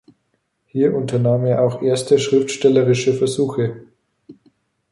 Hier unternahm er auch erste schriftstellerische Versuche.